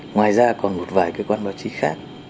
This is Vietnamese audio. ngoài ra còn một vài cơ quan báo chí khác